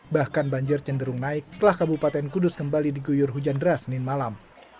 bahkan banjir cenderung naik setelah kabupaten kudus kembali diguyur hujan deras senin malam